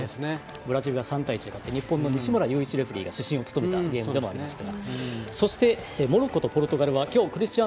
ブラジルが３対１で勝って日本の西村雄一レフリーが主審を務めたゲームでもありましたが。